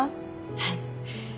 はい。